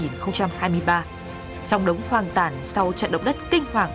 trong đống hoang tàn sau trận động đất kinh hoàng